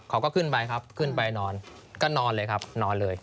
เขาก็ขึ้นไปครับขึ้นไปนอนก็นอนเลยครับนอนเลย